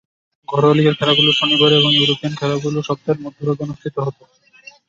ঘরোয়া লীগের খেলাগুলো শনিবারে এবং ইউরোপীয়ান খেলাগুলো সপ্তাহের মধ্যভাগে অনুষ্ঠিত হত।